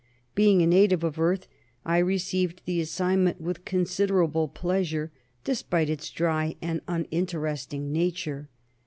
Being a native of Earth, I received the assignment with considerable pleasure, despite its dry and uninteresting nature.